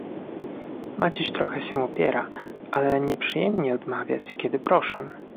"Maciuś trochę się opiera, ale nieprzyjemnie odmawiać, kiedy proszą."